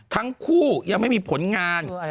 ทั้งคู่ยังไม่มีผลงาน